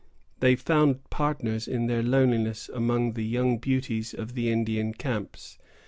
They found partners in their loneliness among the young beauties of the Indian camps.